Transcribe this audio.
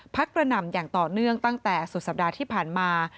กระหน่ำอย่างต่อเนื่องตั้งแต่สุดสัปดาห์ที่ผ่านมา